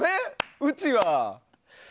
うちは。